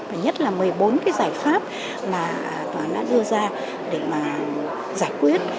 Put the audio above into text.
và nhất là một mươi bốn cái giải pháp mà tòa án đã đưa ra để mà giải quyết